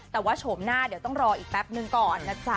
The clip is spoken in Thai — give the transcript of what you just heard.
แต่ว่าโฉมหน้าเดี๋ยวต้องรออีกแป๊บนึงก่อนนะจ๊ะ